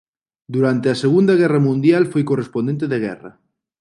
Durante a Segunda Guerra Mundial foi correspondente de guerra.